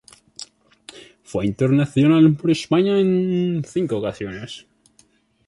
Fue internacional por España en cinco ocasiones.